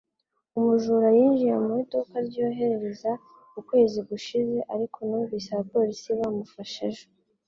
Umujura yinjiye mu iduka ryorohereza ukwezi gushize, ariko numvise abapolisi bamufashe ejo